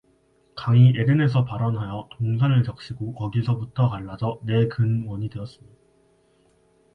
강이 에덴에서 발원하여 동산을 적시고 거기서부터 갈라져 네 근원이 되었으니